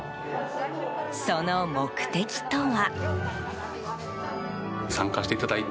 その目的とは。